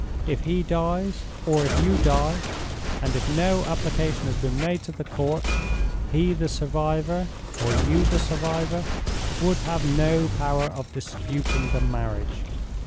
If he dies, or if you die—and if no application has been made to the Court—he the survivor, or you the survivor, would have no power of disputing the marriage.